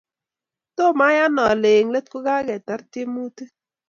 Tomayan ale eng' let kogagetar tyemutik.